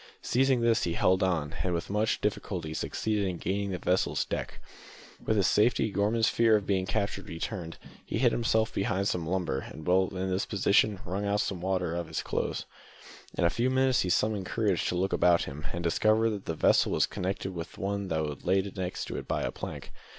Seizing this, he held on, and with much difficulty succeeded in gaining the vessel's deck. With his safety Gorman's fear of being captured returned. He hid himself behind some lumber, and while in this position wrung some of the water out of his clothes. In a few minutes he summoned courage to look about him, and discovered that the vessel was connected with the one that lay next to it by a plank.